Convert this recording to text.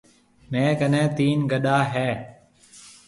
ميه ڪنَي تين گڏا هيَ۔